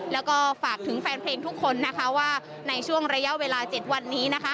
แล้วก็ฝากถึงแฟนเพลงทุกคนนะคะว่าในช่วงระยะเวลา๗วันนี้นะคะ